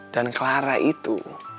dan clara itu